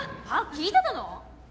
聴いてたの！？